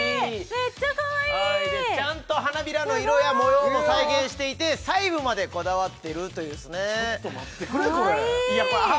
めっちゃかわいいちゃんと花びらの色や模様も再現していて細部までこだわっているというちょっと待ってくれこれかわいい！